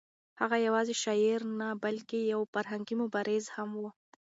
هغه یوازې شاعر نه بلکې یو فرهنګي مبارز هم و.